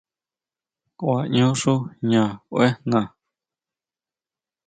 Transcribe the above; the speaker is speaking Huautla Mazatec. Kuaʼñu xú jña kuejna.